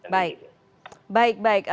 baik baik baik